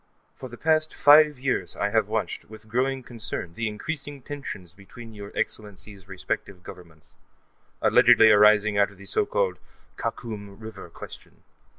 For the past five years, I have watched, with growing concern, the increasing tensions between your Excellencies' respective Governments, allegedly arising out of the so called Khakum River question.